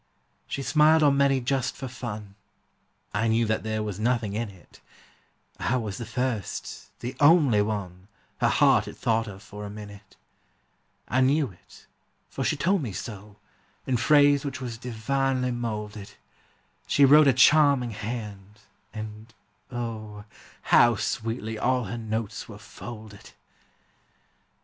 She smiled on many just for fun, I knew that there was nothing in it; I was the first, the only one, Her heart had thought of for a minute. I knew it, for she told me so, In phrase which was divinely moulded; She wrote a charming hand, and O, How sweetly all her notes were folded!